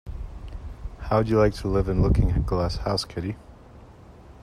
How would you like to live in Looking-glass House, Kitty?